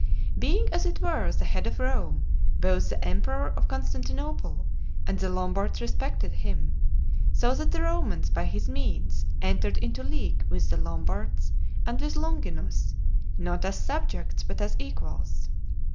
Being as it were the head of Rome, both the emperor of Constantinople and the Lombards respected him; so that the Romans, by his means, entered into league with the Lombards, and with Longinus, not as subjects, but as equals.